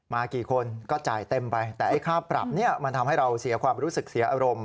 กี่คนก็จ่ายเต็มไปแต่ไอ้ค่าปรับเนี่ยมันทำให้เราเสียความรู้สึกเสียอารมณ์